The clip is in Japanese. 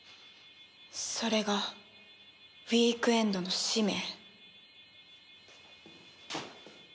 それがウィークエンドの使命。